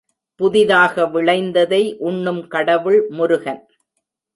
புதிதாக விளைந்ததை உண்ணும் கடவுள் முருகன்.